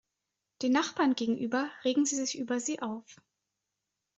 Die Nachbarn gegenüber regen sich über sie auf.